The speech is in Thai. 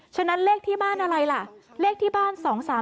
ฉะนั้นเลขที่บ้านอะไรล่ะเลขที่บ้าน๒๓๓